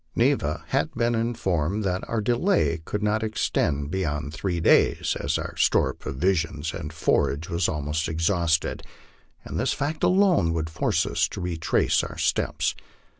Neva had been informed that our delay could not extend beyond three days, as our store of provisions and forage was almost exhausted, and this fact alone would force us to retrace our gteps.